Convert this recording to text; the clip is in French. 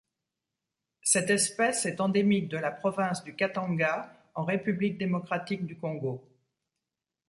Cette espèce est endémique de la province du Katanga en République démocratique du Congo.